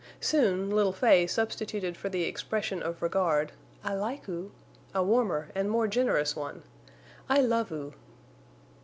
Soon little Fay substituted for the expression of regard, "I like oo," a warmer and more generous one, "I love oo."